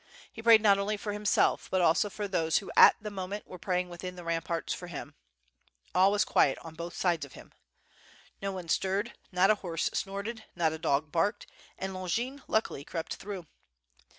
He prayed not only for himself, but also for those who at the moment were praying within the ramparts for him. ATI was quiet oU both sides of him. No one stirred, not a horse snorted, not a dog barked, and Longin luckily crept through.